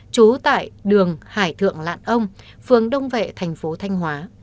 trú tại đường hải thượng lạn ông phường đông vệ thành phố thanh hóa